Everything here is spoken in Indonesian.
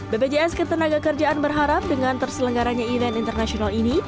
bpjs ketenaga kerjaan berharap dengan terselenggaranya event internasional ini